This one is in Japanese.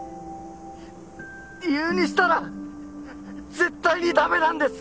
理由にしたら絶対にダメなんです！